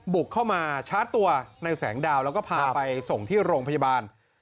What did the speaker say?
บุกเข้ามาชาร์จตัวในแสงดาวแล้วก็พาไปส่งที่โรงพยาบาล